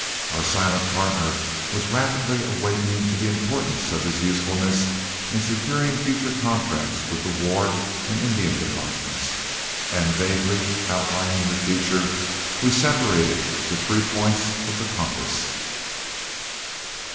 Our silent partner was rapidly awakening to the importance of his usefulness in securing future contracts with the War and Indian departments, and vaguely outlining the future, we separated to three points of the compass.